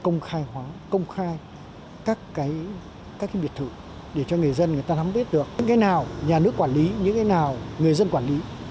những cái nào nhà nước quản lý những cái nào người dân quản lý